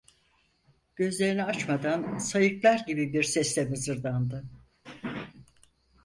Gözlerini açmadan, sayıklar gibi bir sesle mızırdandı: